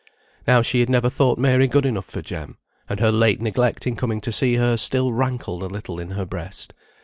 Now she had never thought Mary good enough for Jem, and her late neglect in coming to see her still rankled a little in her breast.